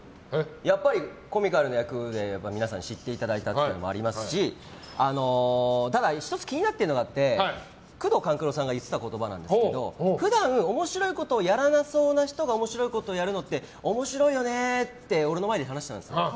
やっぱりコミカルな役で皆さんに知っていただいたというのもありますしただ１つ気になってるのがあって宮藤官九郎さんが言っていた言葉なんですけど普段、面白そうなことをやらなさそうな人が面白いことをやるのって面白いよねって俺の前で話してたんですよ。